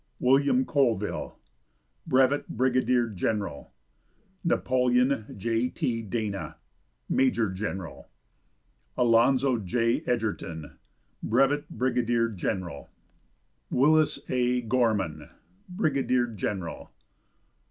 William Colville, Brevet Brigadier General. Napoleon J. T. Dana, Major General. Alonzo J. Edgerton, Brevet Brigadier General. Willis A. Gorman, Brigadier General.